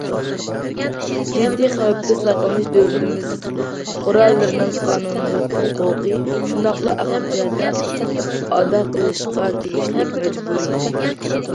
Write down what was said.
جىددىي خەۋپتىن ساقلىنىش دۆلىتىمىز پۇقرالىرىنىڭ قانۇنلۇق ھوقۇقى، شۇنداقلا ئەخلاق جەھەتتە ئادا قىلىشقا تېگىشلىك مەجبۇرىيىتى.